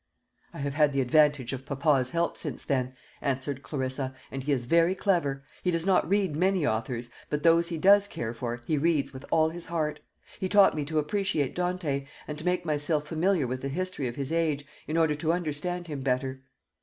"I have had the advantage of papa's help since then," answered Clarissa, "and he is very clever. He does not read many authors, but those he does care for he reads with all his heart. He taught me to appreciate Dante, and to make myself familiar with the history of his age, in order to understand him better."